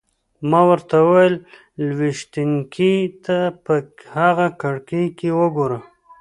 ما ورته وویل: لویشتينکې! ته په هغه کړکۍ کې وګوره.